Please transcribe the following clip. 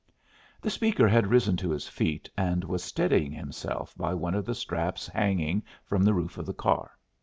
The speaker had risen to his feet and was steadying himself by one of the straps hanging from the roof of the car.